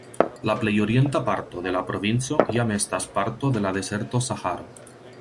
La plej orienta parto de la provinco jam estas parto de la dezerto Saharo.